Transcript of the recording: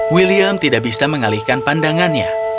william tidak bisa mengalihkan pandangannya